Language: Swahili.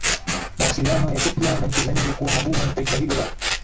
mawasiliano ya Ethiopia na nchi za nje kuwa magumu Taifa hilo la